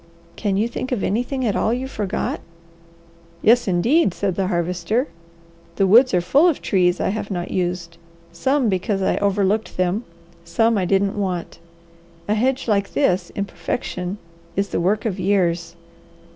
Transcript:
"Can you think of anything at all you forgot?" "Yes indeed!" said the Harvester. "The woods are full of trees I have not used; some because I overlooked them, some I didn't want. A hedge like this, in perfection, is the work of years.